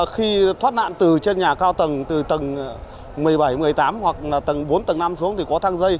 khi thoát nạn từ trên nhà cao tầng từ tầng một mươi bảy một mươi tám hoặc là tầng bốn tầng năm xuống thì có thang dây